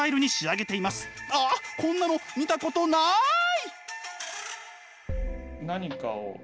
ああこんなの見たことない！